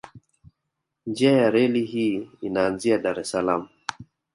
Njia ya reli hii inaanza Dar es Salaam